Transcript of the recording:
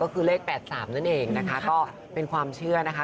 ก็คือเลข๘๓นั่นเองนะคะก็เป็นความเชื่อนะคะ